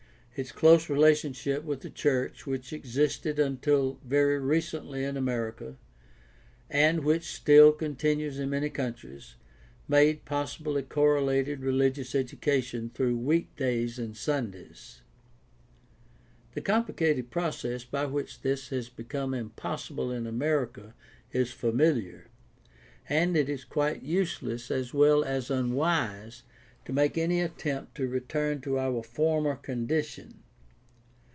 Its close relationship with the church, which existed until very recently in America, and which still continues in many countries, made possible a cor related religious education through week days and Sundays. The complicated process by which this has become impossible in America is familiar, and it is quite useless as well as unwise to make any attempt to return to our former condition.